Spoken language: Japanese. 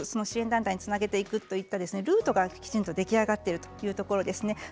支援団体につなげていくというルートがきちんと出来上がっているということですね。